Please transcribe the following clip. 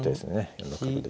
４六角で。